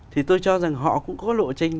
thì tôi cho rằng họ cũng có lộ trình